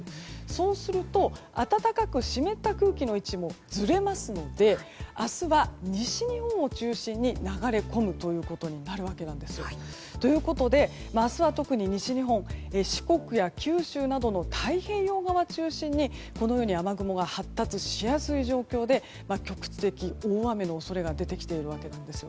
そうすると暖かく湿った空気の位置もずれますので明日は西日本を中心に流れ込むということになるわけです。ということで明日は特に西日本四国や九州などの太平洋側を中心に雨雲が発達しやすい状況で局地的大雨の恐れが出てきているわけなんです。